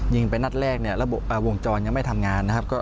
ยิงไปนัดแรกแล้ววงจรยังไม่ทำงาน